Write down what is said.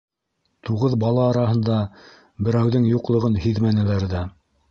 Туғыҙ бала араһында берәүҙең юҡлығын һиҙмәнеләр ҙә.